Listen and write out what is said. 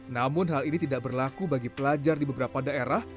namun hal ini tidak berlaku bagi pelajar di beberapa daerah